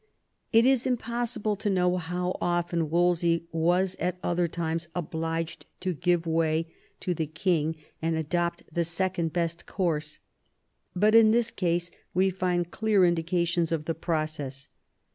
It is impossible to know how often Wolsey was at other times obliged to give way to the king and adopt the second best course ; but in this case we find clear indications of the process.